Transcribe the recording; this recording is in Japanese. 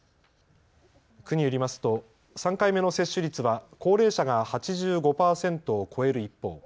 区によりますと３回目の接種率は高齢者が８５％を超える一方